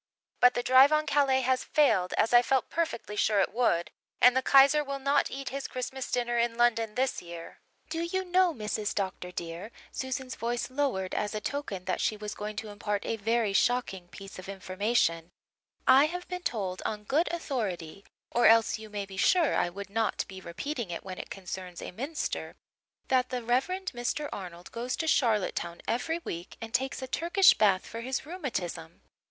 But the drive on Calais has failed, as I felt perfectly sure it would, and the Kaiser will not eat his Christmas dinner in London this year. Do you know, Mrs. Dr. dear," Susan's voice lowered as a token that she was going to impart a very shocking piece of information, "I have been told on good authority or else you may be sure I would not be repeating it when it concerns a minster that the Rev. Mr. Arnold goes to Charlottetown every week and takes a Turkish bath for his rheumatism.